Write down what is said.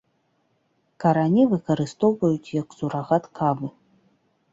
Карані выкарыстоўваюць як сурагат кавы.